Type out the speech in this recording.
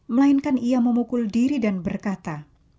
melainkan ia memukul diri dan berkata